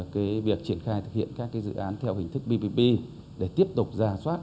cái việc triển khai thực hiện các cái dự án theo hình thức ppp để tiếp tục ra soát